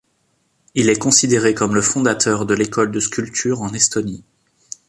Il est considéré comme le fondateur de l'école de sculpture en Estonie.